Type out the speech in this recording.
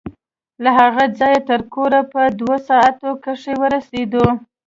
له هغه ځايه تر کوره په دوو ساعتو کښې ورسېدو.